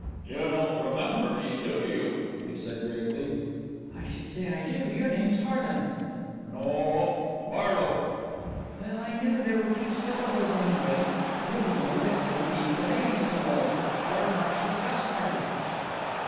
"You don't remember me, do you?" he said gravely. "I should say I do. Your name's Harlan." "No ope. Barlow." "Well, I knew there were two syllables anyway. You're the boy that played the ukulele so well up at Howard Marshall's house party.